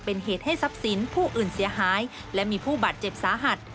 เป็นเหตุให้ทรัพย์สินผู้อื่นเสียหายและมีผู้บาดเจ็บสาหัส